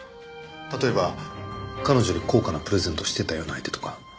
例えば彼女に高価なプレゼントをしてたような相手とか。